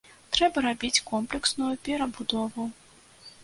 Трэба рабіць комплексную перабудову.